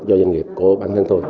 cho doanh nghiệp của bản thân tôi